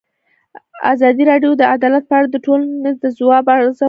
ازادي راډیو د عدالت په اړه د ټولنې د ځواب ارزونه کړې.